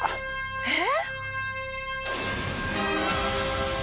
えっ⁉